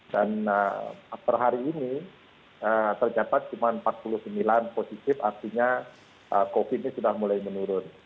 dan per hari ini tercapai cuma empat puluh sembilan positif artinya covid nya sudah mulai menurun